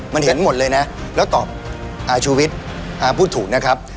มันเห็นหมดเลยนะแล้วตอบอาชุวิตพูดถูกนะครับ